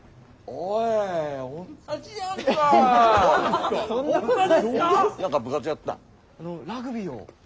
あのラグビーを。